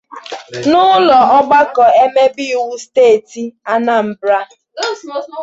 n'ụlọ ọgbakọ omebe iwu steeti Anambra